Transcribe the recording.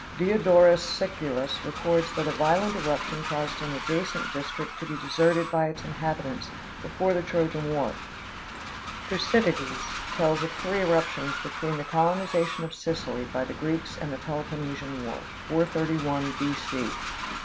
Diodorus Siculus records that a violent eruption caused an adjacent district to be deserted by its inhabitants before the Trojan war. Thucydides tells of three eruptions between the colonization of Sicily by the Greeks and the Peloponnesian war 431 B. C.